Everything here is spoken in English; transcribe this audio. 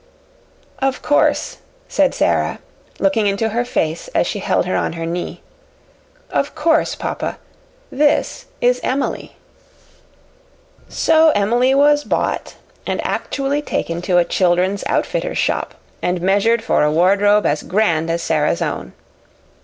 "Of course," said Sara, looking into her face as she held her on her knee, "of course papa, this is Emily." So Emily was bought and actually taken to a children's outfitter's shop and measured for a wardrobe as grand as Sara's own.